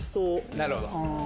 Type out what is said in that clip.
なるほど。